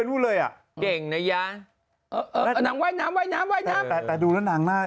โอ้โอ้